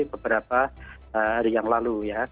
beberapa hari yang lalu ya